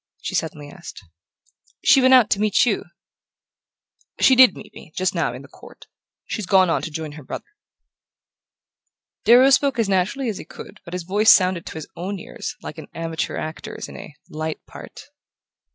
she suddenly asked. "She went out to meet you." "She DID meet me, just now, in the court. She's gone on to join her brother." Darrow spoke as naturally as he could, but his voice sounded to his own ears like an amateur actor's in a "light" part.